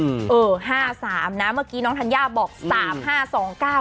เออห้าสามนะเมื่อกี้น้องธัญญาบอกสามห้าสองเก้า